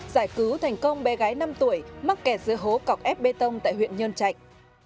giải cứu thành công bé gái năm tuổi mắc kẹt giữa hố cọc ép bê tông tại huyện nhơn trạch